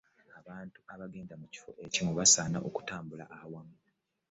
Abantu abagenda mu kifo ekimu basaana kutambulra wamu .